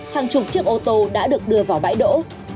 hàng chục chiếc ô tô đã được đưa vào bãi đỗ